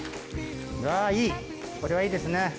うわいいこれはいいですね。